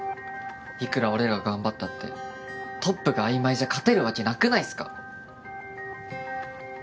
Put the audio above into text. いくら俺らが頑張ったってトップが曖昧じゃ勝てるわけなくないっすか？